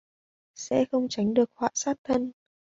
sẽ không tránh được họa sát thân